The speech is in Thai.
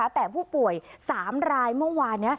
แต่ผู้ป่วย๓รายเมื่อวานนี้